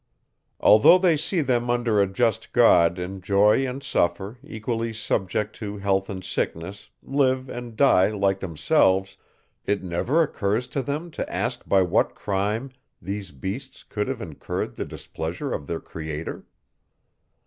Although they see them, under a just God, enjoy and suffer, equally subject to health and sickness, live and die, like themselves, it never occurs to them to ask by what crime, these beasts could have incurred the displeasure of their Creator?